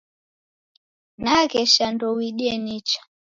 Nagesha ndouidie nicha.